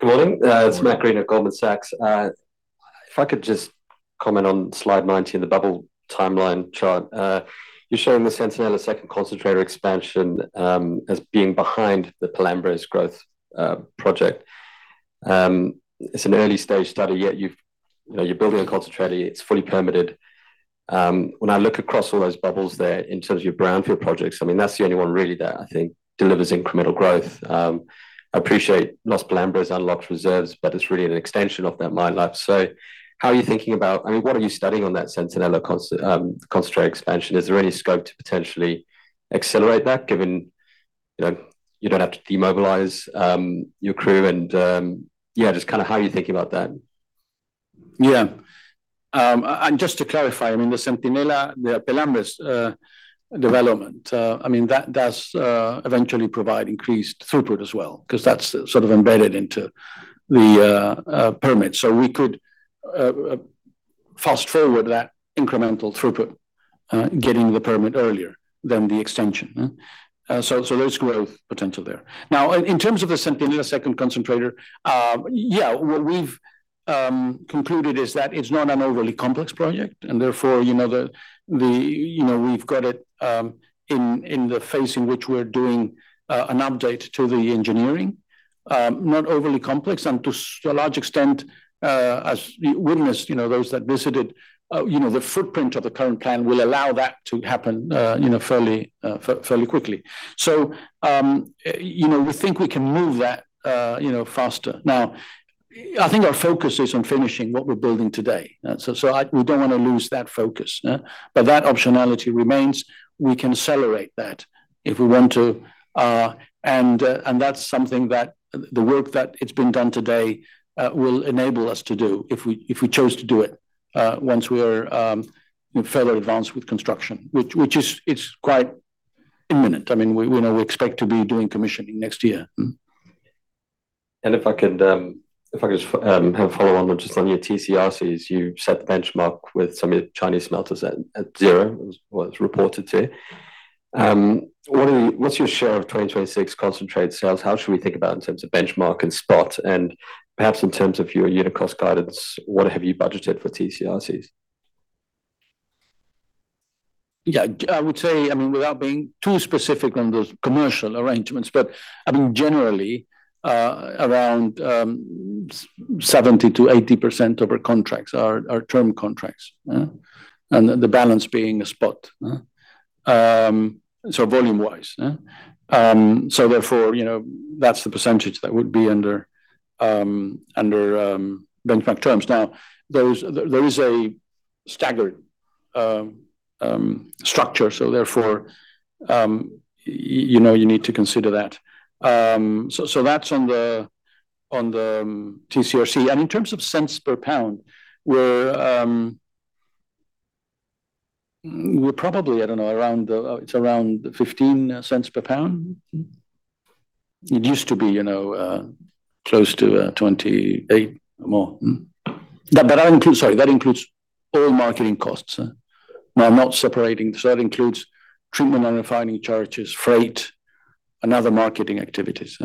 Good morning. It's Matt Greene at Goldman Sachs. If I could just comment on slide 19, the bubble timeline chart. You're showing the Centinela Second Concentrator expansion as being behind the Los Pelambres growth project. It's an early-stage study, yet you've, you know, you're building a concentrator, it's fully permitted. When I look across all those bubbles there in terms of your brownfield projects, I mean, that's the only one really that I think delivers incremental growth. I appreciate Los Pelambres unlocked reserves, but it's really an extension of that mine life. So how are you thinking about—I mean, what are you studying on that Centinela concentrator expansion? Is there any scope to potentially accelerate that, given, you know, you don't have to demobilize your crew? And yeah, just kind of how are you thinking about that? Yeah. And just to clarify, I mean, the Centinela, the Pelambres, development, I mean, that does, eventually provide increased throughput as well, 'cause that's sort of embedded into the, permit. So we could, fast-forward that incremental throughput, getting the permit earlier than the extension. So, there's growth potential there. Now, in terms of the Centinela Second Concentrator, yeah, what we've, concluded is that it's not an overly complex project, and therefore, you know, we've got it, in the phase in which we're doing, an update to the engineering. Not overly complex, and to a large extent, as you witnessed, you know, those that visited, you know, the footprint of the current plan will allow that to happen, you know, fairly, fairly quickly. So, you know, we think we can move that, you know, faster. Now, I think our focus is on finishing what we're building today. So, we don't want to lose that focus, but that optionality remains. We can accelerate that if we want to, and that's something that the work that it's been done today will enable us to do if we chose to do it, once we are fairly advanced with construction, which is, it's quite imminent. I mean, we know we expect to be doing commissioning next year. If I could just have a follow-on just on your TC/RCs, you set the benchmark with some of your Chinese smelters at zero, was reported to. What's your share of 2026 concentrate sales? How should we think about in terms of benchmark and spot, and perhaps in terms of your unit cost guidance, what have you budgeted for TC/RCs? Yeah, I would say, I mean, without being too specific on those commercial arrangements, I mean, generally, around 70%-80% of our contracts are term contracts, the balance being spot. Volume-wise, therefore, you know, that's the percentage that would be under benchmark terms. Now, there is a staggered structure, so you need to consider that. That's on the TC/RC. In terms of cents per pound, we're probably, I don't know, around, it's around $0.15 per pound. It used to be, you know, close to 28 or more. Hmm. That includes, sorry, that includes all marketing costs. Now, I'm not separating. So that includes treatment and refining charges, freight, and other marketing activities.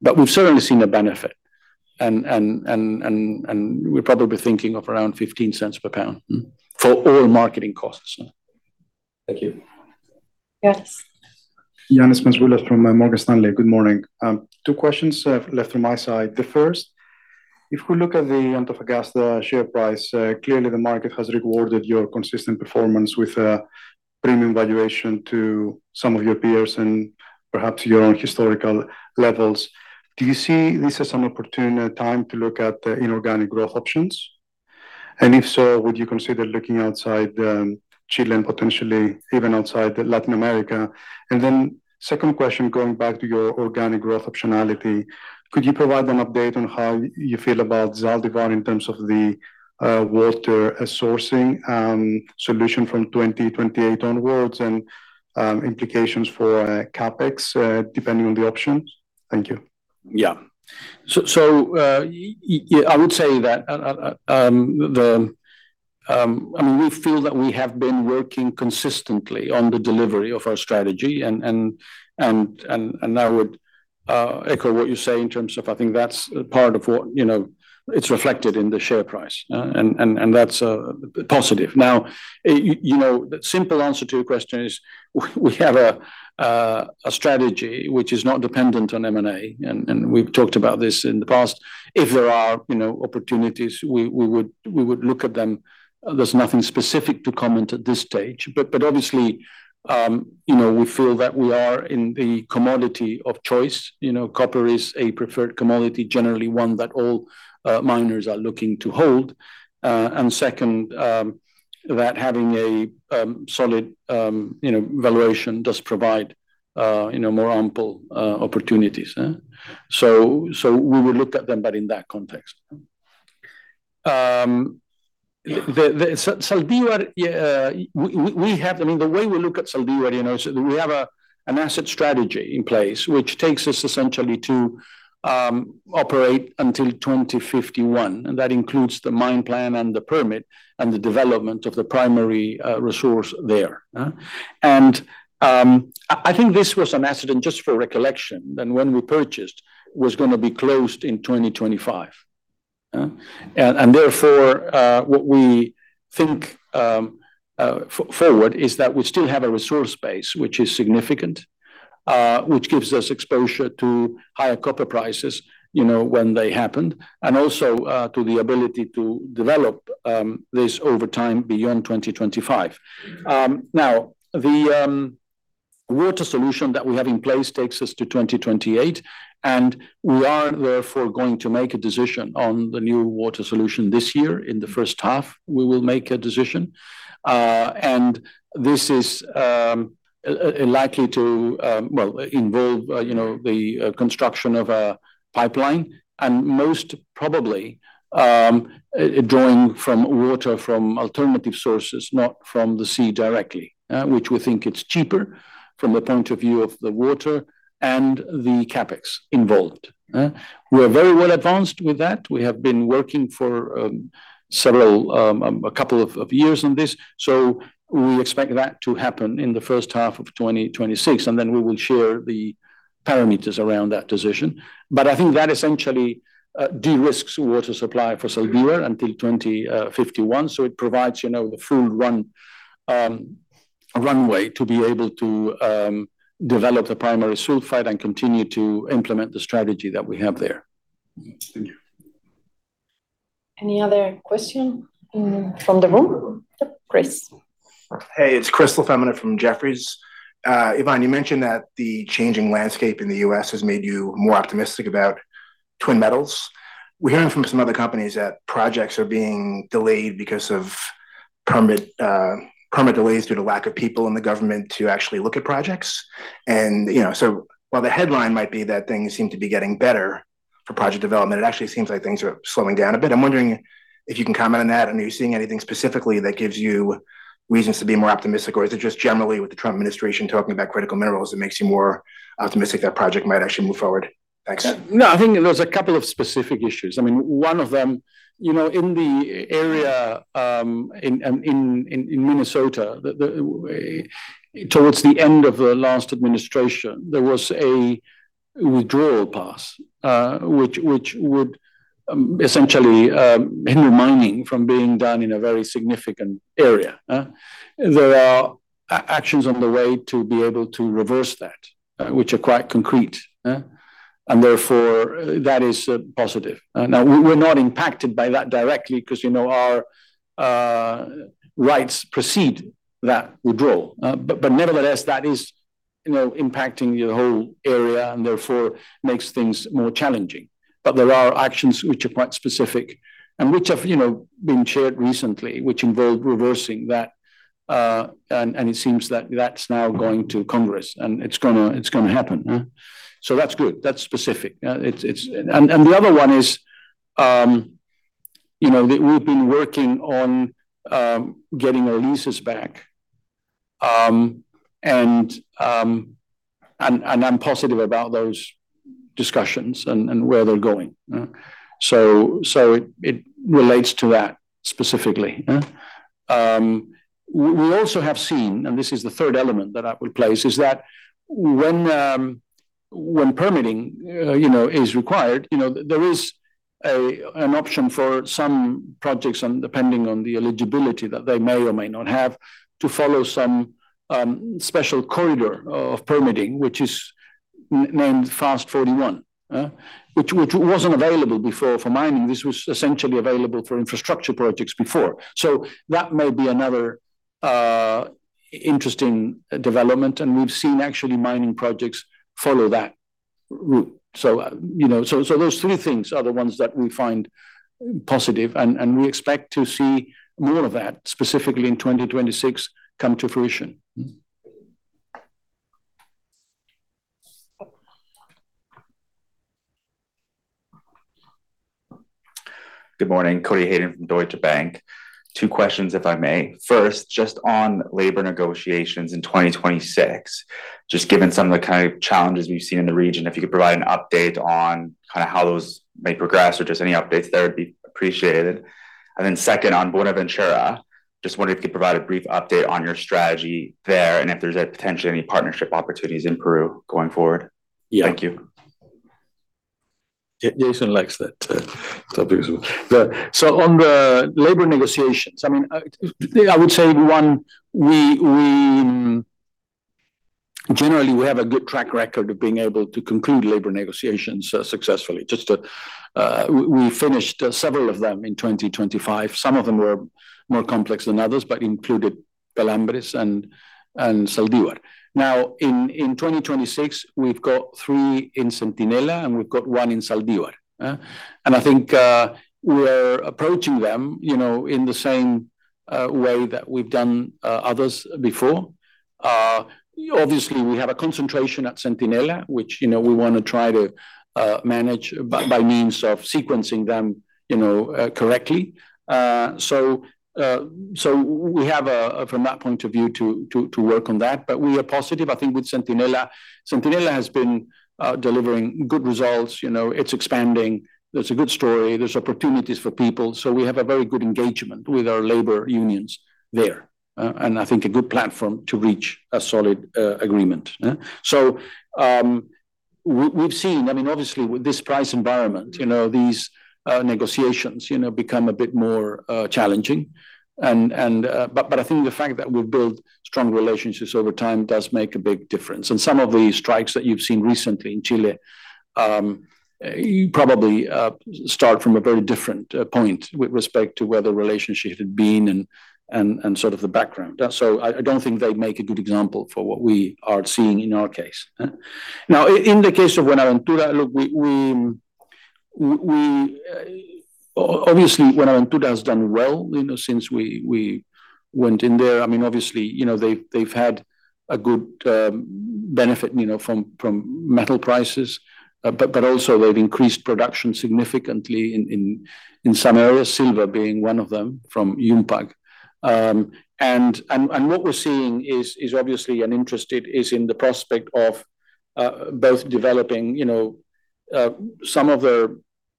But we've certainly seen a benefit and we're probably thinking of around $0.15 per pound for all marketing costs. Thank you. Yes. Ioannis Masvoulas from Morgan Stanley. Good morning. Two questions left on my side. The first, if we look at the Antofagasta share price, clearly the market has rewarded your consistent performance with a premium valuation to some of your peers and perhaps your own historical levels. Do you see this as an opportune time to look at the inorganic growth options? And if so, would you consider looking outside Chile and potentially even outside Latin America? And then second question, going back to your organic growth optionality, could you provide an update on how you feel about Zaldívar in terms of the water sourcing solution from 2028 onwards and implications for CapEx depending on the options? Thank you. Yeah. So, I would say that, I mean, we feel that we have been working consistently on the delivery of our strategy, and I would echo what you say in terms of I think that's part of what, you know, it's reflected in the share price, and that's a positive. Now, you know, the simple answer to your question is we have a strategy which is not dependent on M&A, and we've talked about this in the past. If there are, you know, opportunities, we would look at them. There's nothing specific to comment at this stage, but obviously, you know, we feel that we are in the commodity of choice. You know, copper is a preferred commodity, generally one that all miners are looking to hold. And second, that having a solid, you know, valuation does provide, you know, more ample opportunities, huh? So we will look at them, but in that context. The Zaldívar, yeah, we have—I mean, the way we look at Zaldívar, you know, so we have an asset strategy in place, which takes us essentially to operate until 2051, and that includes the mine plan and the permit and the development of the primary resource there, huh? And I think this was an accident, just for recollection, that when we purchased, was going to be closed in 2025, huh? Therefore, what we think forward is that we still have a resource base, which is significant, which gives us exposure to higher copper prices, you know, when they happened, and also to the ability to develop this over time beyond 2025. Now, the water solution that we have in place takes us to 2028, and we are therefore going to make a decision on the new water solution this year. In the first half, we will make a decision. And this is likely to well involve you know the construction of a pipeline, and most probably drawing from water from alternative sources, not from the sea directly, which we think it's cheaper from the point of view of the water and the CapEx involved. We are very well advanced with that. We have been working for a couple of years on this, so we expect that to happen in the first half of 2026, and then we will share the parameters around that decision. But I think that essentially de-risks water supply for Zaldívar until 2051. So it provides, you know, the full runway to be able to develop the primary sulfide and continue to implement the strategy that we have there. Thank you. Any other question in from the room? Yep, Chris. Hey, it's Chris LaFemina from Jefferies. Iván, you mentioned that the changing landscape in the U.S. has made you more optimistic about Twin Metals. We're hearing from some other companies that projects are being delayed because of permit, permit delays due to lack of people in the government to actually look at projects. And, you know, so while the headline might be that things seem to be getting better for project development, it actually seems like things are slowing down a bit. I'm wondering if you can comment on that, and are you seeing anything specifically that gives you reasons to be more optimistic, or is it just generally with the Trump administration talking about critical minerals that makes you more optimistic that project might actually move forward? Thanks. No, I think there's a couple of specific issues. I mean, one of them, you know, in the area in Minnesota, towards the end of the last administration, there was a withdrawal passed, which would essentially hinder mining from being done in a very significant area. There are actions on the way to be able to reverse that, which are quite concrete. And therefore, that is positive. Now, we're not impacted by that directly 'cause, you know, our rights precede that withdrawal. But nevertheless, that is, you know, impacting the whole area and therefore makes things more challenging. But there are actions which are quite specific and which have, you know, been shared recently, which involve reversing that, and it seems that that's now going to Congress, and it's gonna happen, huh? So that's good. That's specific. The other one is, you know, that we've been working on, getting our leases back, and I'm positive about those discussions and where they're going, huh? So it relates to that specifically, huh. We also have seen, and this is the third element that I would place, is that when permitting, you know, is required, you know, there is an option for some projects, and depending on the eligibility that they may or may not have, to follow some special corridor of permitting, which is named FAST-41. Which wasn't available before for mining. This was essentially available for infrastructure projects before. So that may be another interesting development, and we've seen actually mining projects follow that route. So, you know, those three things are the ones that we find positive, and we expect to see more of that, specifically in 2026, come to fruition. Good morning, Cody Hayden from Deutsche Bank. Two questions, if I may. First, just on labor negotiations in 2026, just given some of the kind of challenges we've seen in the region, if you could provide an update on kind of how those may progress or just any updates there would be appreciated. And then second, on Buenaventura, just wondering if you could provide a brief update on your strategy there, and if there's potentially any partnership opportunities in Peru going forward? Yeah, Jason likes that topic as well. But so on the labor negotiations, I mean, I would say we generally have a good track record of being able to conclude labor negotiations successfully. Just to, we finished several of them in 2025. Some of them were more complex than others, but included Los Pelambres and Zaldívar. Now, in 2026, we've got three in Centinela, and we've got one in Zaldívar, eh? And I think we're approaching them, you know, in the same way that we've done others before. Obviously, we have a concentration at Centinela, which, you know, we want to try to manage by means of sequencing them, you know, correctly. So we have from that point of view to work on that, but we are positive. I think with Centinela, Centinela has been delivering good results. You know, it's expanding. There's a good story. There's opportunities for people, so we have a very good engagement with our labor unions there, and I think a good platform to reach a solid agreement, eh? So we've seen. I mean, obviously, with this price environment, you know, these negotiations, you know, become a bit more challenging. But I think the fact that we've built strong relationships over time does make a big difference. And some of the strikes that you've seen recently in Chile, you probably start from a very different point with respect to where the relationship had been and, and, and sort of the background. So I don't think they'd make a good example for what we are seeing in our case, eh? Now, in the case of Buenaventura, look, we obviously, Buenaventura has done well, you know, since we went in there. I mean, obviously, you know, they've had a good benefit, you know, from metal prices. But also they've increased production significantly in some areas, silver being one of them, from Yumpag. And what we're seeing is obviously an interest in the prospect of both developing, you know, some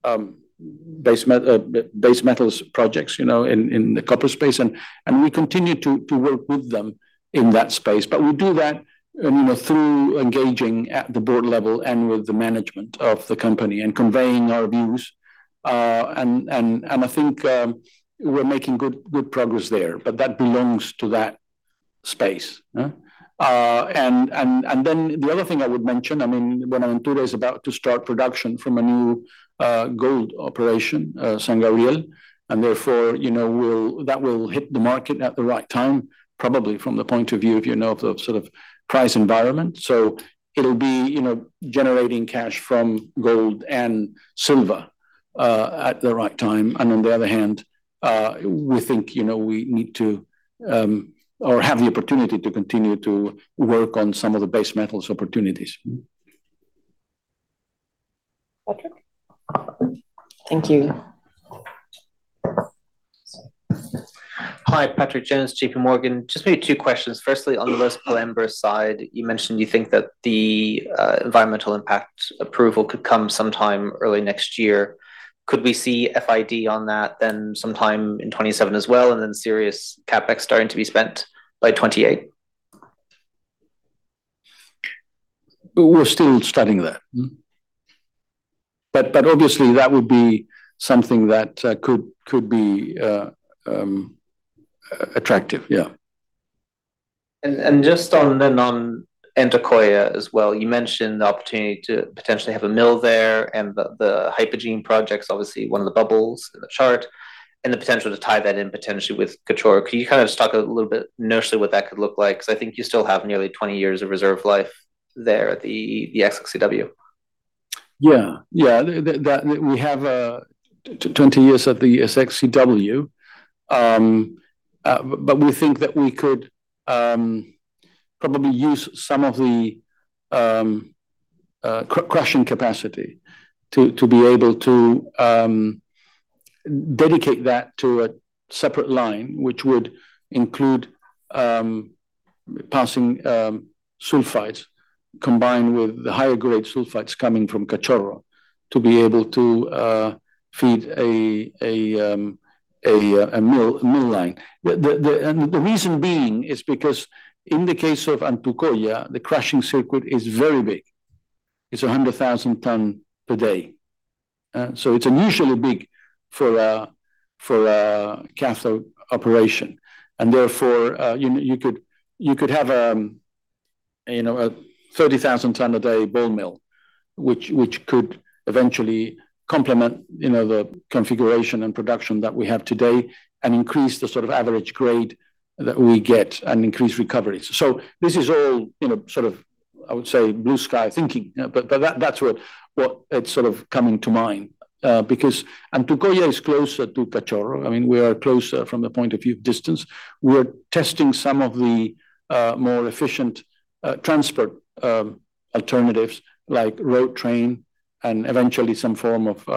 of their base metals projects, you know, in the copper space. And we continue to work with them in that space, but we do that, you know, through engaging at the board level and with the management of the company and conveying our views. And I think we're making good progress there, but that belongs to that space, eh? And then the other thing I would mention, I mean, Buenaventura is about to start production from a new gold operation, San Gabriel, and therefore, you know, will that will hit the market at the right time, probably from the point of view, you know, of the sort of price environment. So it'll be, you know, generating cash from gold and silver at the right time. And on the other hand, we think, you know, we need to or have the opportunity to continue to work on some of the base metals opportunities. Patrick? Thank you. Hi, Patrick Jones, JPMorgan. Just maybe two questions. Firstly, on the Los Pelambres side, you mentioned you think that the environmental impact approval could come sometime early next year. Could we see FID on that then sometime in 2027 as well, and then serious CapEx starting to be spent by 2028? We're still studying that. Mm-hmm. But obviously, that would be something that could be attractive, yeah. Just on the Antucoya as well, you mentioned the opportunity to potentially have a mill there, and the Hypogene project's obviously one of the bubbles in the chart, and the potential to tie that in potentially with Cachorro. Could you kind of just talk a little bit initially what that could look like? Because I think you still have nearly 20 years of reserve life there at the SX-EW. Yeah. Yeah. That we have 20 years of the SX-EW. But we think that we could probably use some of the crushing capacity to be able to dedicate that to a separate line, which would include passing sulfides combined with the higher grade sulfides coming from Cachorro to be able to feed a mill line. And the reason being is because in the case of Antucoya, the crushing circuit is very big. It's 100,000 tonne per day. So it's unusually big for a cathode operation, and therefore, you could have a 30,000-tonne-a-day ball mill, which could eventually complement the configuration and production that we have today and increase the sort of average grade that we get and increase recovery. So this is all, you know, sort of, I would say, blue sky thinking, but that's what it's sort of coming to mind, because Antucoya is closer to Cachorro. I mean, we are closer from the point of view of distance. We're testing some of the more efficient transport alternatives, like road train and eventually some form of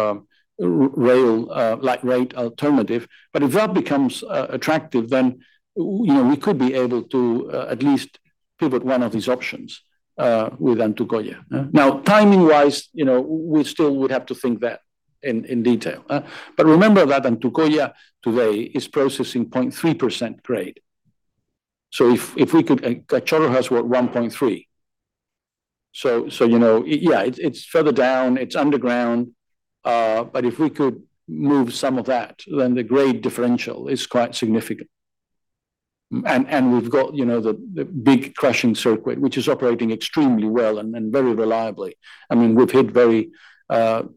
rail, like, rail alternative. But if that becomes attractive, then, you know, we could be able to at least pivot one of these options with Antucoya. Now, timing-wise, you know, we still would have to think that in detail, but remember that Antucoya today is processing 0.3% grade. So if we could—Cachorro has, what, 1.3. So, you know, yeah, it's further down, it's underground, but if we could move some of that, then the grade differential is quite significant. And we've got, you know, the big crushing circuit, which is operating extremely well and very reliably. I mean, we've hit very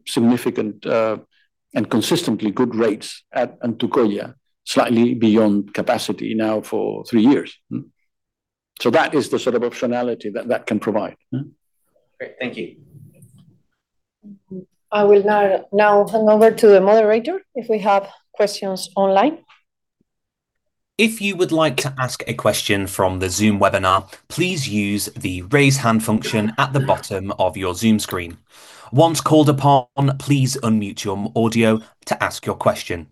significant and consistently good rates at Antucoya, slightly beyond capacity now for three years. So that is the sort of functionality that that can provide, huh? Great. Thank you. I will now hand over to the moderator if we have questions online. If you would like to ask a question from the Zoom webinar, please use the "Raise Hand" function at the bottom of your Zoom screen. Once called upon, please unmute your audio to ask your question.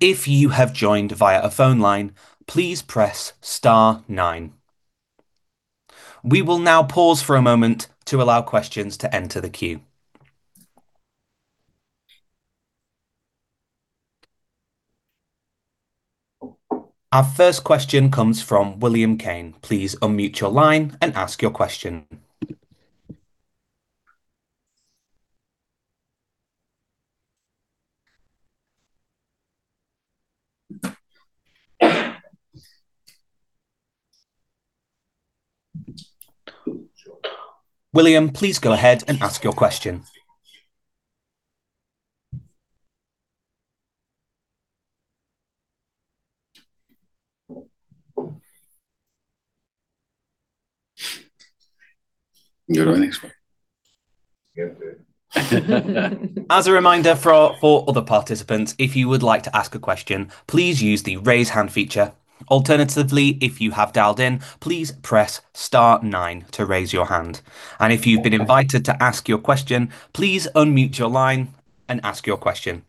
If you have joined via a phone line, please press star nine. We will now pause for a moment to allow questions to enter the queue. Our first question comes from William Kane. Please unmute your line and ask your question. William, please go ahead and ask your question. Go to the next one. As a reminder for other participants, if you would like to ask a question, please use the "Raise Hand" feature. Alternatively, if you have dialed in, please press star nine to raise your hand, and if you've been invited to ask your question, please unmute your line and ask your question.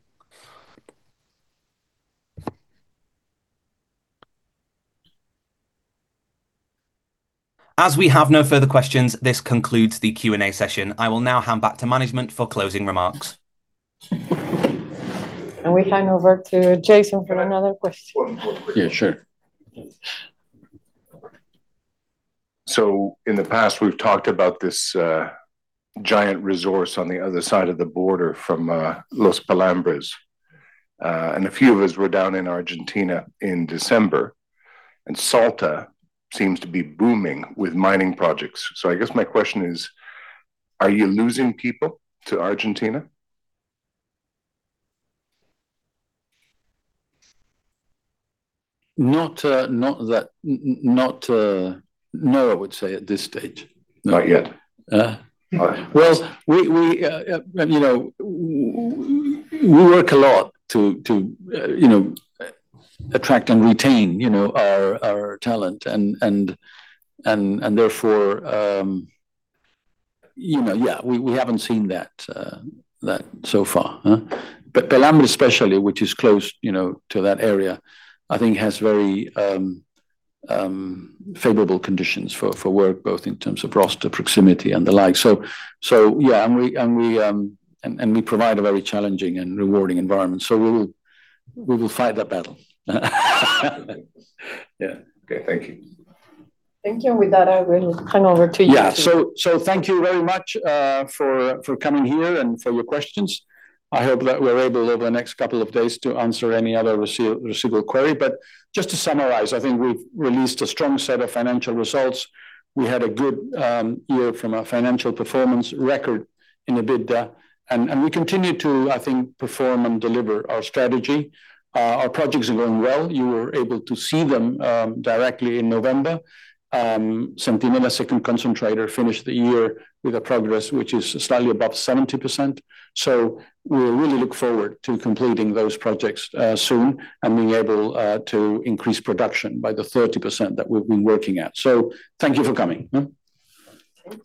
As we have no further questions, this concludes the Q&A session. I will now hand back to management for closing remarks. We hand over to Jason for another question. Yeah, sure. So in the past, we've talked about this giant resource on the other side of the border from Los Pelambres. And a few of us were down in Argentina in December, and Salta seems to be booming with mining projects. So I guess my question is, are you losing people to Argentina? No, I would say, at this stage. Not yet? Well, you know, we work a lot to you know attract and retain you know our talent, and therefore, you know, yeah, we haven't seen that so far, huh? But Pelambres, especially, which is close, you know, to that area, I think has very favorable conditions for work, both in terms of roster, proximity, and the like. So, yeah, and we provide a very challenging and rewarding environment, so we will fight that battle. Yeah. Okay. Thank you. Thank you. With that, I will hand over to you. Yeah. So, so thank you very much, for, for coming here and for your questions. I hope that we're able, over the next couple of days, to answer any other residual query. But just to summarize, I think we've released a strong set of financial results. We had a good, year from a financial performance record in EBITDA, and, and we continue to, I think, perform and deliver our strategy. Our projects are going well. You were able to see them, directly in November. Centinela Second Concentrator finished the year with a progress, which is slightly above 70%. So we really look forward to completing those projects, soon, and being able, to increase production by the 30% that we've been working at. So thank you for coming, huh.